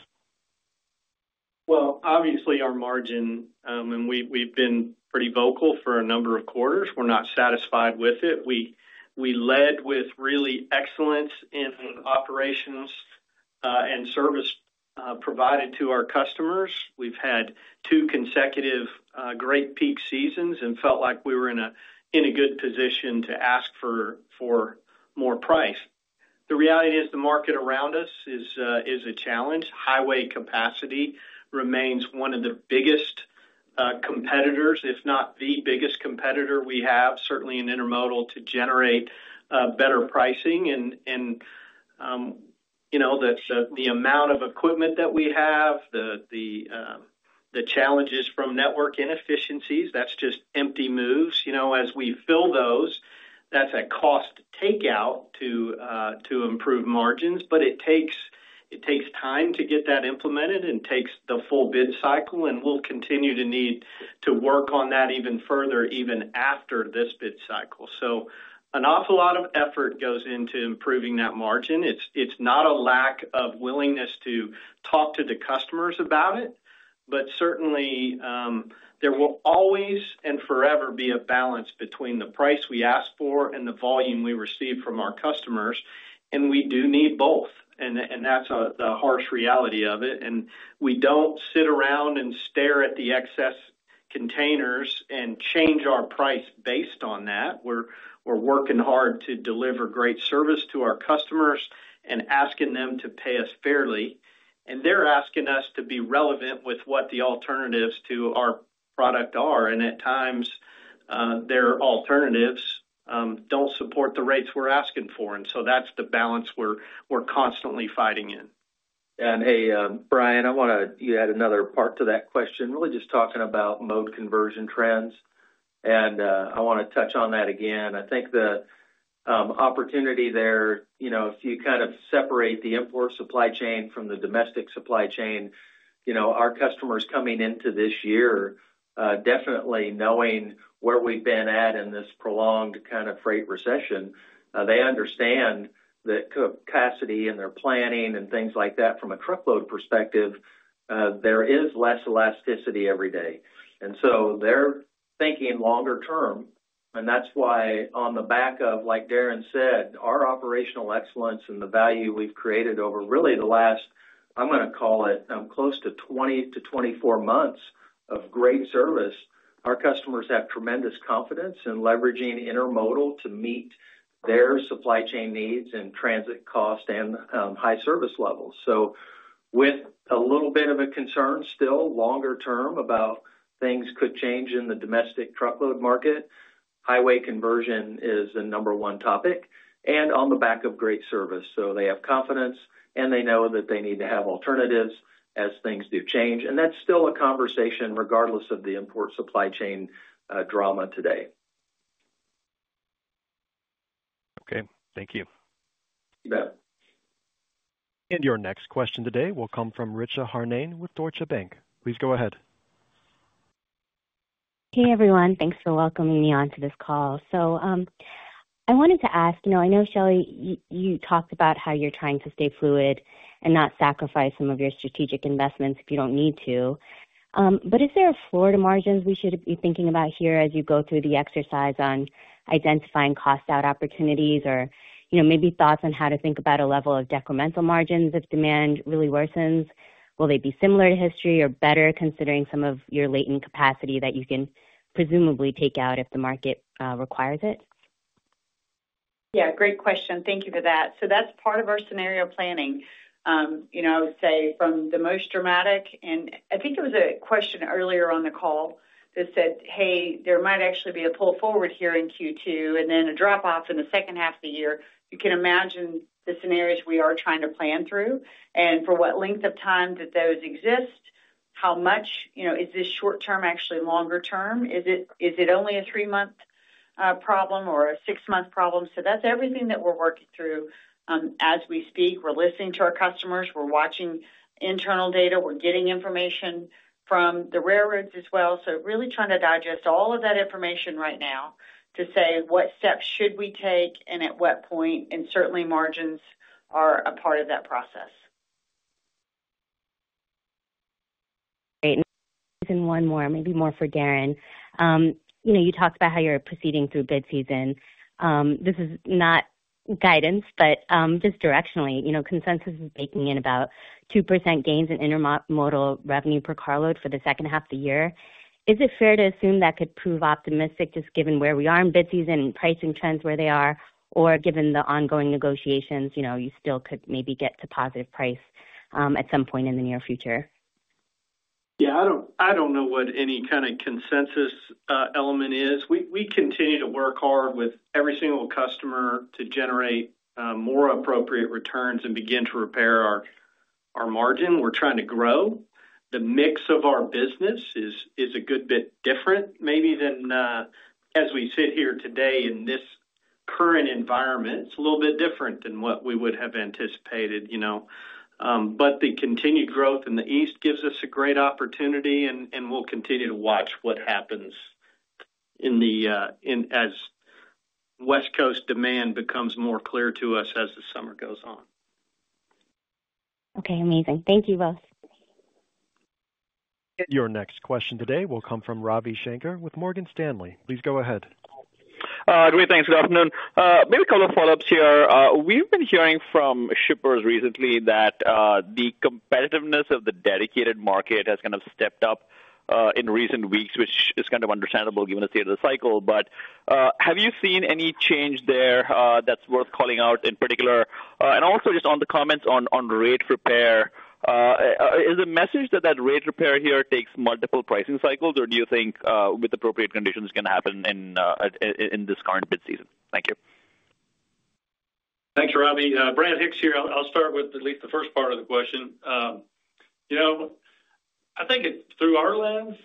Obviously, our margin, and we've been pretty vocal for a number of quarters. We're not satisfied with it. We led with really excellence in operations and service provided to our customers. We've had two consecutive great peak seasons and felt like we were in a good position to ask for more price. The reality is the market around us is a challenge. Highway capacity remains one of the biggest competitors, if not the biggest competitor we have, certainly in intermodal to generate better pricing. T he amount of equipment that we have, the challenges from network inefficiencies, that's just empty moves. As we fill those, that's a cost takeout to improve margins. It takes time to get that implemented and takes the full bid cycle. We'll continue to need to work on that even further, even after this bid cycle. An awful lot of effort goes into improving that margin. It's not a lack of willingness to talk to the customers about it, but certainly, there will always and forever be a balance between the price we ask for and the volume we receive from our customers. We do need both. That's the harsh reality of it. We don't sit around and stare at the excess containers and change our price based on that. We're working hard to deliver great service to our customers and asking them to pay us fairly. They're asking us to be relevant with what the alternatives to our product are. At times, their alternatives don't support the rates we're asking for. That's the balance we're constantly fighting in. Hey, Brian, I want to add another part to that question, really just talking about mode conversion trends. I want to touch on that again. I think the opportunity there, if you kind of separate the import supply chain from the domestic supply chain, our customers coming into this year, definitely knowing where we've been at in this prolonged kind of freight recession, they understand that capacity and their planning and things like that from a truckload perspective, there is less elasticity every day. They are thinking longer term. That is why, on the back of, like Darren said, our operational excellence and the value we've created over really the last, I'm going to call it close to 20 to 24 months of great service, our customers have tremendous confidence in leveraging intermodal to meet their supply chain needs and transit cost and high service levels. With a little bit of a concern still longer term about things could change in the domestic truckload market, highway conversion is the number one topic, and on the back of great service. They have confidence, and they know that they need to have alternatives as things do change. That's still a conversation regardless of the import supply chain drama today. Okay. Thank you. You bet. Your next question today will come from Richa Harnain with Deutsche Bank. Please go ahead. Hey, everyone. Thanks for welcoming me onto this call. I wanted to ask, I know, Shelley, you talked about how you're trying to stay fluid and not sacrifice some of your strategic investments if you don't need to. Is there a floor to margins we should be thinking about here as you go through the exercise on identifying cost-out opportunities or maybe thoughts on how to think about a level of decremental margins if demand really worsens? Will they be similar to history or better considering some of your latent capacity that you can presumably take out if the market requires it? Yeah. Great question. Thank you for that. That is part of our scenario planning. I would say from the most dramatic and I think it was a question earlier on the call that said, "Hey, there might actually be a pull forward here in Q2 and then a drop-off in the second half of the year." You can imagine the scenarios we are trying to plan through. For what length of time did those exist? How much is this short-term actually longer-term? Is it only a three-month problem or a six-month problem? That is everything that we are working through as we speak. We are listening to our customers. We are watching internal data. We are getting information from the railroads as well. Really trying to digest all of that information right now to say, "What steps should we take and at what point?" Certainly, margins are a part of that process. Great. One more, maybe more for Darren. You talked about how you're proceeding through bid season. This is not guidance, but just directionally, consensus is baking in about 2% gains in intermodal revenue per carload for the second half of the year. Is it fair to assume that could prove optimistic just given where we are in bid season and pricing trends where they are, or given the ongoing negotiations, you still could maybe get to positive price at some point in the near future? Yeah. I don't know what any kind of consensus element is. We continue to work hard with every single customer to generate more appropriate returns and begin to repair our margin. We're trying to grow. The mix of our business is a good bit different maybe than as we sit here today in this current environment. It's a little bit different than what we would have anticipated. The continued growth in the East gives us a great opportunity, and we'll continue to watch what happens as West Coast demand becomes more clear to us as the summer goes on. Okay. Amazing. Thank you both. Your next question today will come from Ravi Shanker with Morgan Stanley. Please go ahead. Good evening. Thanks for the afternoon. Maybe a couple of follow-ups here. We've been hearing from shippers recently that the competitiveness of the dedicated market has kind of stepped up in recent weeks, which is kind of understandable given the state of the cycle. Have you seen any change there that's worth calling out in particular? Also, just on the comments on rate repair, is the message that that rate repair here takes multiple pricing cycles, or do you think with appropriate conditions it's going to happen in this current bid season? Thank you. Thanks, Ravi. Brad Hicks here. I'll start with at lEast the first part of the question. I think through our lens,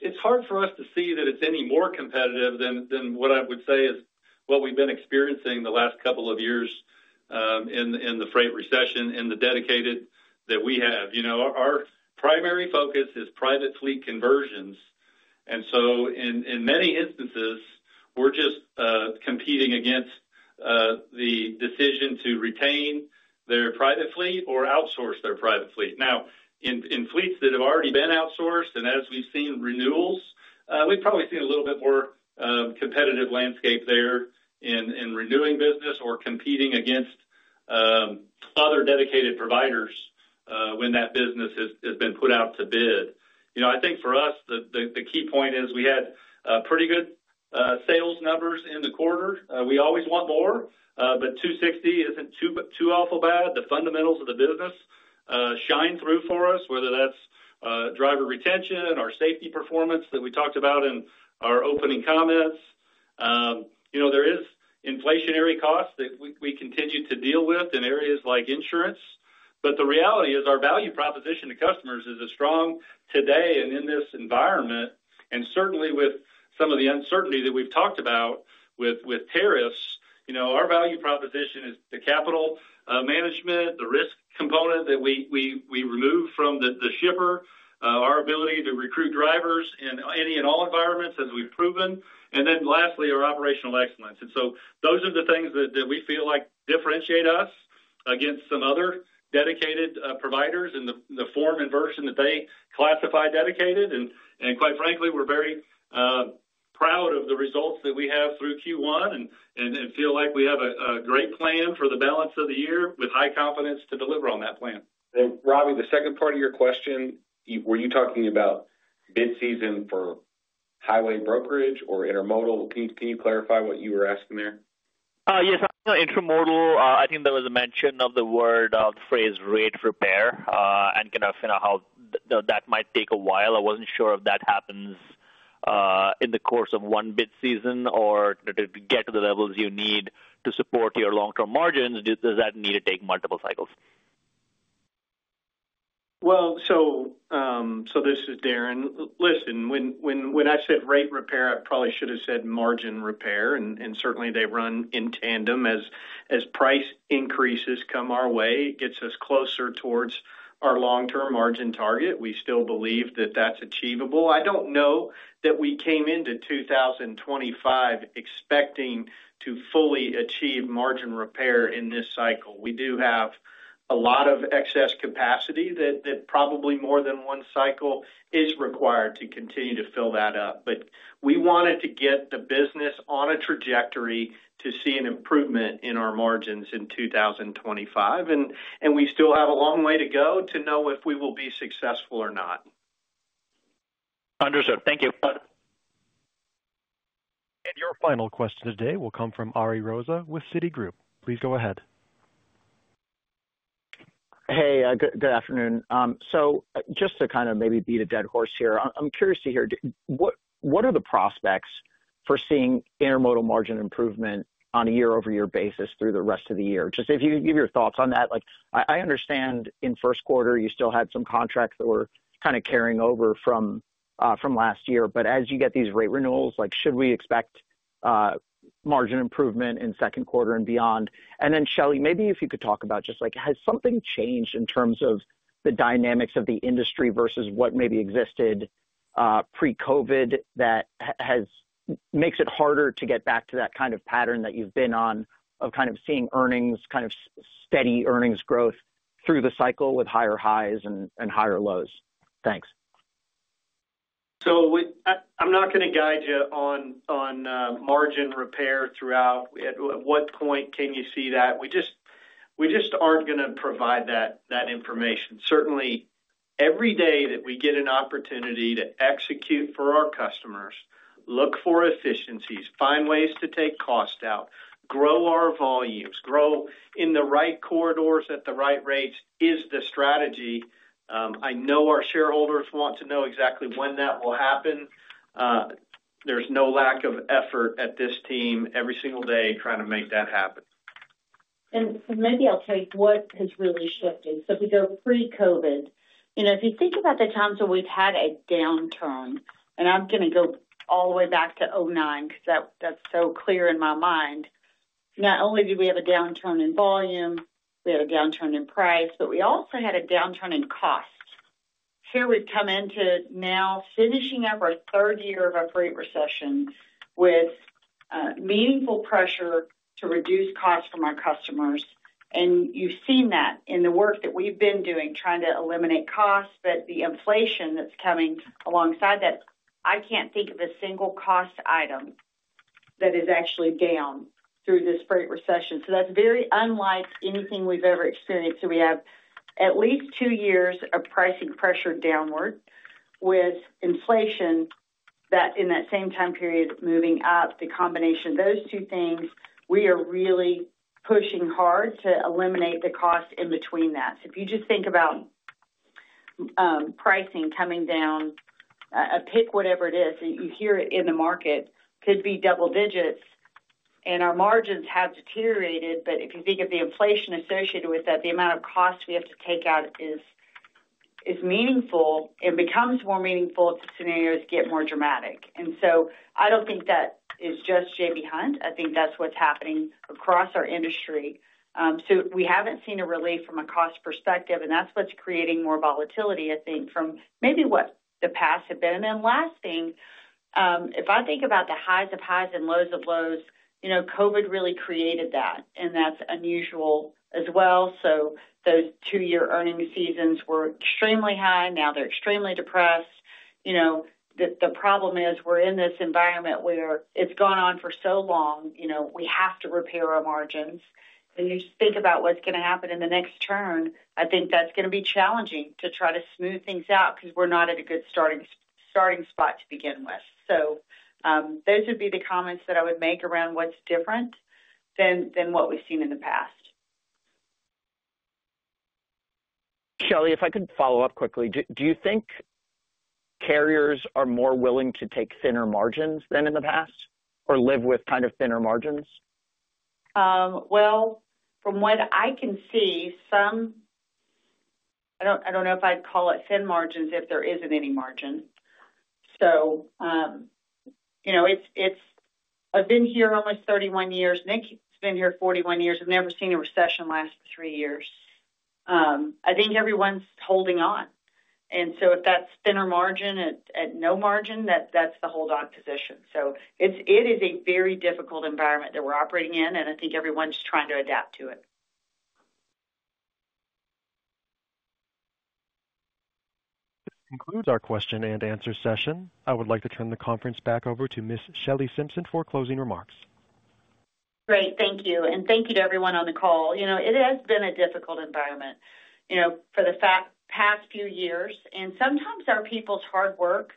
it's hard for us to see that it's any more competitive than what I would say is what we've been experiencing the last couple of years in the freight recession and the dedicated that we have. Our primary focus is private fleet conversions. In many instances, we're just competing against the decision to retain their private fleet or outsource their private fleet. Now, in fleets that have already been outsourced and as we've seen renewals, we've probably seen a little bit more competitive landscape there in renewing business or competing against other dedicated providers when that business has been put out to bid. I think for us, the key point is we had pretty good sales numbers in the quarter. We always want more, but 260 isn't too awful bad. The fundamentals of the business shine through for us, whether that's driver retention or safety performance that we talked about in our opening comments. There are inflationary costs that we continue to deal with in areas like insurance. The reality is our value proposition to customers is as strong today and in this environment. Certainly, with some of the uncertainty that we've talked about with tariffs, our value proposition is the capital management, the risk component that we remove from the shipper, our ability to recruit drivers in any and all environments as we've proven. Lastly, our operational excellence. Those are the things that we feel like differentiate us against some other dedicated providers in the form and version that they classify dedicated. Quite frankly, we're very proud of the results that we have through Q1 and feel like we have a great plan for the balance of the year with high confidence to deliver on that plan. Ravi, the second part of your question, were you talking about bid season for highway brokerage or intermodal? Can you clarify what you were asking there? Yes. Intermodal, I think there was a mention of the word, the phrase rate repair and kind of how that might take a while. I wasn't sure if that happens in the course of one bid season or to get to the levels you need to support your long-term margins. Does that need to take multiple cycles? This is Darren. Listen, when I said rate repair, I probably should have said margin repair. Certainly, they run in tandem as price increases come our way. It gets us closer towards our long-term margin target. We still believe that that's achievable. I do not know that we came into 2025 expecting to fully achieve margin repair in this cycle. We do have a lot of excess capacity that probably more than one cycle is required to continue to fill that up. We wanted to get the business on a trajectory to see an improvement in our margins in 2025. We still have a long way to go to know if we will be successful or not. Understood. Thank you. Your final question today will come from Ari Rosa with Citigroup. Please go ahead. Hey, good afternoon. Just to kind of maybe beat a dead horse here, I'm curious to hear, what are the prospects for seeing intermodal margin improvement on a year-over-year basis through the rest of the year? Just if you can give your thoughts on that. I understand in first quarter, you still had some contracts that were kind of carrying over from last year. As you get these rate renewals, should we expect margin improvement in second quarter and beyond? Shelley, maybe if you could talk about just like, has something changed in terms of the dynamics of the industry versus what maybe existed pre-COVID that makes it harder to get back to that kind of pattern that you've been on of kind of seeing kind of steady earnings growth through the cycle with higher highs and higher lows? Thanks. I'm not going to guide you on margin repair throughout. At what point can you see that? We just aren't going to provide that information. Certainly, every day that we get an opportunity to execute for our customers, look for efficiencies, find ways to take cost out, grow our volumes, grow in the right corridors at the right rates is the strategy. I know our shareholders want to know exactly when that will happen. There's no lack of effort at this team every single day trying to make that happen. Maybe I'll take what has really shifted. If we go pre-COVID, if you think about the times when we've had a downturn, and I'm going to go all the way back to 2009 because that's so clear in my mind. Not only did we have a downturn in volume, we had a downturn in price, but we also had a downturn in costs. Here we've come into now finishing up our third year of a freight recession with meaningful pressure to reduce costs from our customers. You've seen that in the work that we've been doing trying to eliminate costs, but the inflation that's coming alongside that, I can't think of a single cost item that is actually down through this freight recession. That's very unlike anything we've ever experienced. We have at lEast two years of pricing pressure downward with inflation that in that same time period moving up. The combination of those two things, we are really pushing hard to eliminate the cost in between that. If you just think about pricing coming down, a pick, whatever it is, you hear it in the market could be double digits, and our margins have deteriorated. If you think of the inflation associated with that, the amount of cost we have to take out is meaningful and becomes more meaningful if the scenarios get more dramatic. I do not think that is just J.B. Hunt. I think that is what is happening across our industry. We have not seen a relief from a cost perspective, and that is what is creating more volatility, I think, from maybe what the past had been. If I think about the highs of highs and lows of lows, COVID really created that, and that's unusual as well. Those two-year earnings seasons were extremely high. Now they're extremely depressed. The problem is we're in this environment where it's gone on for so long. We have to repair our margins. You just think about what's going to happen in the next turn. I think that's going to be challenging to try to smooth things out because we're not at a good starting spot to begin with. Those would be the comments that I would make around what's different than what we've seen in the past. Shelley, if I could follow up quickly, do you think carriers are more willing to take thinner margins than in the past or live with kind of thinner margins? From what I can see, some I do not know if I would call it thin margins if there is not any margin. I have been here almost 31 years. Nick has been here 41 years. I have never seen a recession last three years. I think everyone's holding on. If that is thinner margin at no margin, that is the hold-on position. It is a very difficult environment that we are operating in, and I think everyone's trying to adapt to it. That concludes our question and answer session. I would like to turn the conference back over to Ms. Shelley Simpson for closing remarks. Great. Thank you. Thank you to everyone on the call. It has been a difficult environment for the past few years. Sometimes our people's hard work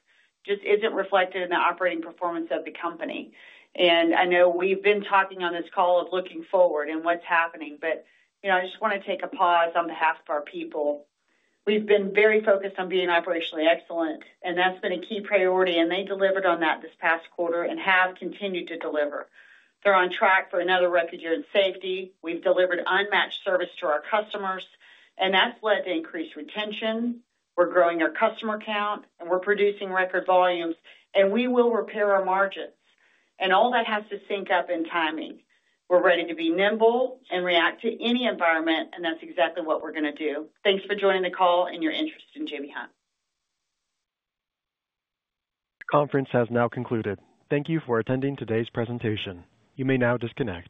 just is not reflected in the operating performance of the company. I know we have been talking on this call of looking forward and what is happening, but I just want to take a pause on behalf of our people. We have been very focused on being operationally excellent, and that has been a key priority. They delivered on that this past quarter and have continued to deliver. They are on track for another record year in safety. We have delivered unmatched service to our customers, and that has led to increased retention. We are growing our customer count, and we are producing record volumes, and we will repair our margins. All that has to sync up in timing. We're ready to be nimble and react to any environment, and that's exactly what we're going to do. Thanks for joining the call and your interest in J.B. Hunt. The conference has now concluded. Thank you for attending today's presentation. You may now disconnect.